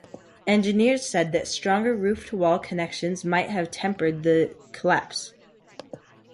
Engineers said that stronger roof-to-wall connections might have tempered the collapse.